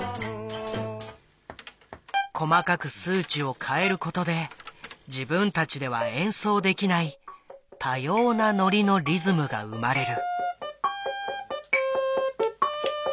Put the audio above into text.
細かく数値を変えることで自分たちでは演奏できない多様なノリのリズムが生まれる。